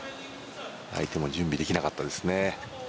相手も準備できなかったですね。